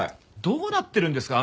どうなってるんですか？